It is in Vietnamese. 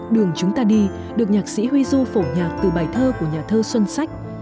đường chúng ta đi được nhạc sĩ huy du phổ nhạc từ bài thơ của nhà thơ xuân sách